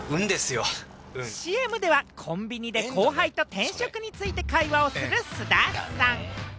ＣＭではコンビニで後輩と転職について会話をする菅田さん。